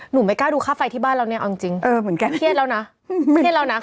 หนูไม่กล้าดูค่าไฟที่บ้านเราเนี่ยเอาจริง